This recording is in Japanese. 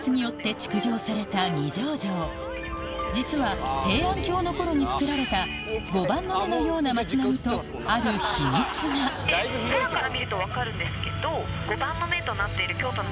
実は平安京の頃につくられた碁盤の目のような町並みとある秘密がという情報が。